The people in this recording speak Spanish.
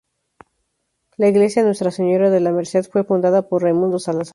La Iglesia Nuestra Señora de la Merced fue fundada por Raimundo Salazar.